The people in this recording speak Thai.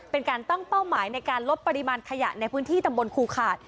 เป็นการตั้งเป้าหมายในการลดปริมาณขยะในพื้นที่ตำบลครูขาด